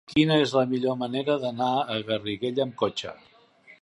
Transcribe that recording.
Quina és la millor manera d'anar a Garriguella amb cotxe?